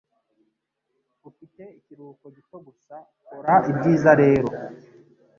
Ufite ikiruhuko gito gusa, kora ibyiza rero.